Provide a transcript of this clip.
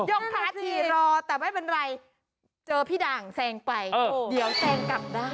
กขาขี่รอแต่ไม่เป็นไรเจอพี่ด่างแซงไปเดี๋ยวแซงกลับได้